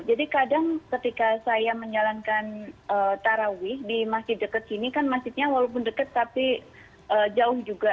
jadi kadang ketika saya menjalankan tarawih di masjid dekat sini kan masjidnya walaupun dekat tapi jauh juga